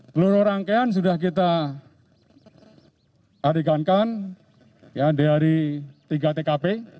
peluruh rangkaian sudah kita adekankan ya dari tiga tkp